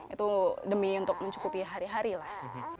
itu demi untuk mencukupi hari hari lah